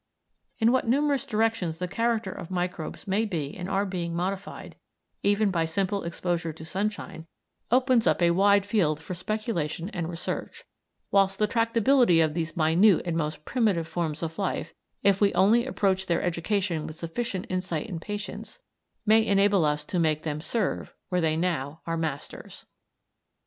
In what numerous directions the character of microbes may be and are being modified, even by simple exposure to sunshine, opens up a wide field for speculation and research, whilst the tractability of these minute and most primitive forms of life, if we only approach their education with sufficient insight and patience, may enable us to make them serve where they now are masters.